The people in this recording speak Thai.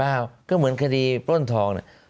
เปล่าก็เหมือนคดีป้นทองน่ะ